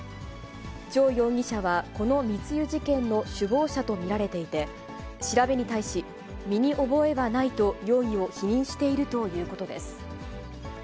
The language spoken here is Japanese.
張容疑者は、この密輸事件の首謀者と見られていて、調べに対し、身に覚えはないと容疑を否認しているということです。